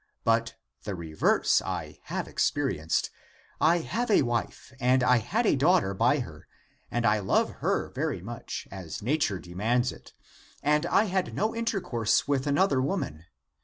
But the reverse I have experienced. I have a wife and I had a daughter by her, and I love her (the wife )very much, as nature demands it, and I had no intercourse with another woman.